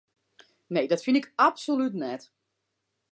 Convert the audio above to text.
Nee, dat fyn ik absolút net.